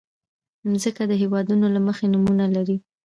مځکه د هېوادونو له مخې نومونه لري.